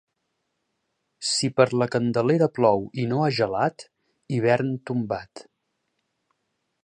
Si per la Candelera plou i no ha gelat, hivern tombat.